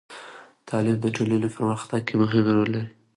تعلیم د ټولنې په پرمختګ کې مهم رول لري.